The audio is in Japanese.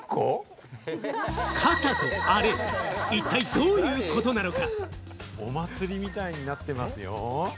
どういうことなのか？